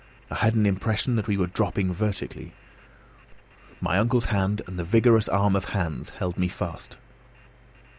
I had an impression that we were dropping vertically. My uncle's hand, and the vigorous arm of Hans, held me fast.